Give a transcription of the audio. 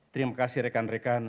terima kasih rekan rekan